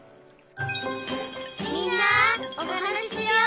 「みんなおはなししよう」